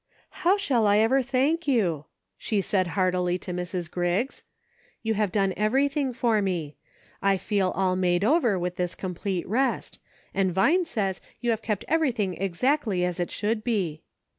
" How shall I ever thank you } "she said heartily to Mrs. Griggs ;" you have done everything for me. I feel all made over with this complete rest ; and Vine says you have kept everything exactly as it should be."